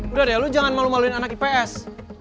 udah deh lu jangan malu maluin anak ips